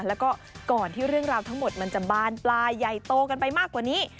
แล้วก็ก่อนที่เรื่องราวทั้งหมดมันจะบานปลายใหญ่โตกันไปมากกว่านี้